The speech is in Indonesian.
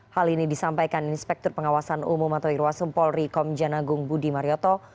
hal ini disampaikan inspektur pengawasan umum atau irwasum polri komjana gung budi marioto